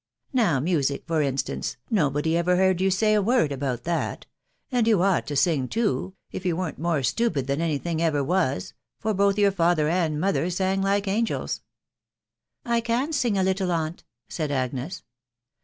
Now, music, for instance, nobody ever heard you say a word about that ; and you ought to sing too, if you werVt more stupid than any thing ever was, for both your father and mother sang like angels." " I can sing a little, aunt," said Agnes.